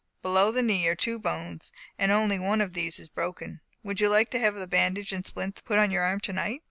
Below the knee are two bones, and only one of these is broken. Would you like to have the bandage and splints put on your arm tonight?"